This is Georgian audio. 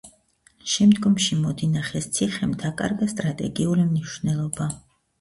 შემდგომში მოდინახეს ციხემ დაკარგა სტრატეგიული მნიშვნელობა.